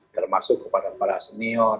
termasuk kepada para senior